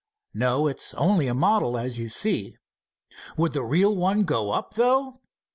"No, it's only a model, as you see." "Would the real one go up, though?"